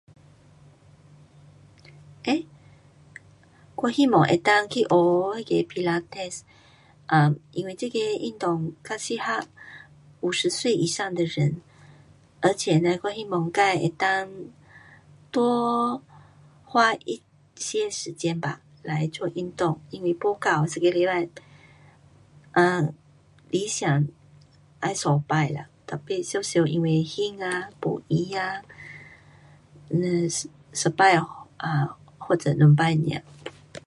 诶，我希望能够去学那个pilates,因为这个运动较适合五十岁以上的人。而且嘞我希望自能够多花一些时间吧来做运动。因为不够，一个礼拜，啊，理想要三次啦，tapi常常因为忙啊，没闲啊，一次[um]或者两次nia